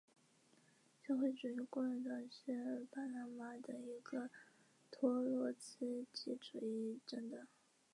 中华民国及满洲国政治人物。